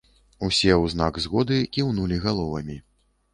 Усе ў знак згоды кіўнулі галовамі.